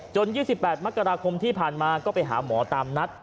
๒๘มกราคมที่ผ่านมาก็ไปหาหมอตามนัด